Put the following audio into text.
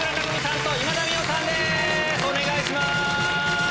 お願いします。